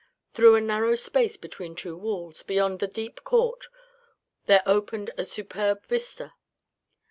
Through a narrow space between two walls, beyond the deep court, there opened a superb vista.